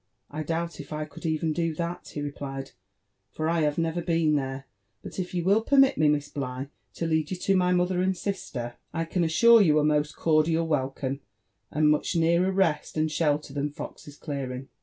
"" I doubt if I could even do that/' he replied, " for I have never been there ; but if you will permit me. Miss Bligh, to lead you to my mother and sister, I can assure you a most cordial welcome, and much nearer rest and shelter than Fox's clearing.